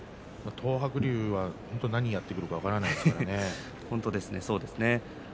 東白龍は何をやってくるか分からないですからね。